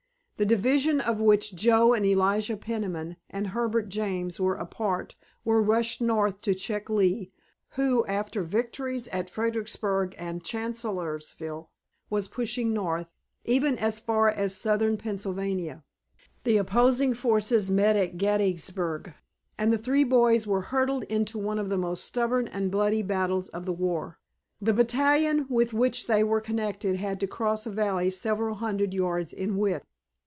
The division of which Joe and Elijah Peniman and Herbert James were a part were rushed north to check Lee, who, after victories at Fredericksburg and Chancellorsville, was pushing north, even as far as southern Pennsylvania. The opposing forces met at Gettysburg, and the three boys were hurled into one of the most stubborn and bloody battles of the war. The battalion with which they were connected had to cross a valley several hundred yards in width.